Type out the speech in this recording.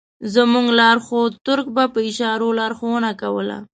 زموږ لارښود تُرک به په اشارو لارښوونه کوله.